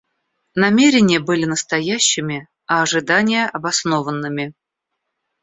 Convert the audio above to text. Намерения были настоящими, а ожидания обоснованными.